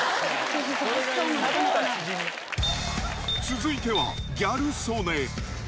続いては、ギャル曽根。